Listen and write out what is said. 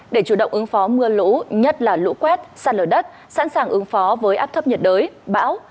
để chủ động ứng phó mưa lũ nhất là lũ quét sạt lở đất sẵn sàng ứng phó với áp thấp nhiệt đới bão